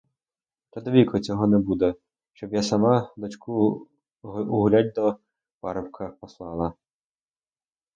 Та довіку цього не буде, щоб я сама дочку гулять до парубка посилала!